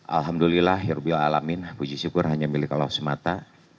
alhamdulillah hirubil alamin puji syukur hanya milik allah semata